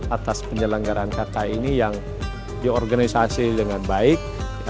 atas penyelenggaraan kki ini yang diorganisasi dengan baik